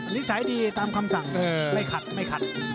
นิสัยดีตามคำสั่งไม่ขัดไม่ขัด